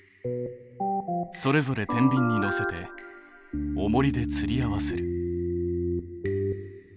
それぞれてんびんにのせておもりでつりあわせる。